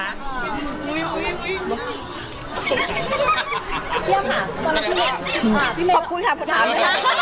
ขอขอบคุณค่ะขอถามไหมคะ